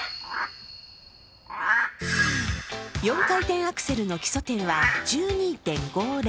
４回転アクセルの基礎点は１２．５０。